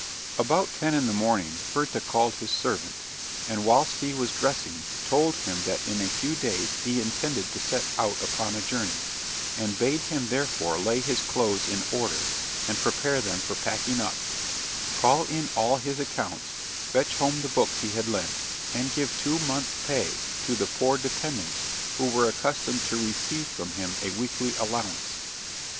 About ten in the morning, Werther called his servant, and, whilst he was dressing, told him that in a few days he intended to set out upon a journey, and bade him therefore lay his clothes in order, and prepare them for packing up, call in all his accounts, fetch home the books he had lent, and give two months' pay to the poor dependants who were accustomed to receive from him a weekly allowance.